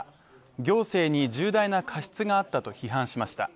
行政に重大な過失があったと批判しました。